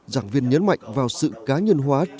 giảng viên nhấn mạnh vào sự cá nhân hóa